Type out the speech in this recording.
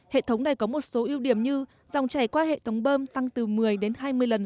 hệ thống này có một số ưu điểm như dòng chảy qua hệ thống bơm tăng từ một mươi đến hai mươi lần